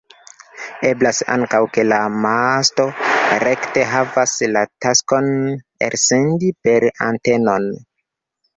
Eblas ankaŭ ke la masto rekte havas la taskon elsendi per antenoj.